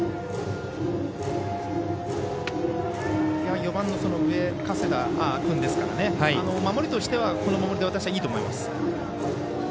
４番の上加世田君ですから守りとしてはこの守りで私はいいと思います。